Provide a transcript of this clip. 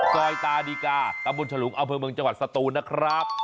ซอยตาดีกาตามบนฉลุงเอาเพิ่มเมืองจังหวัดสตูนะครับ